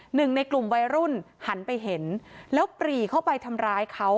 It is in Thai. หนึ่งในกลุ่มวัยรุ่นหันไปเห็นแล้วปรีเข้าไปทำร้ายเขา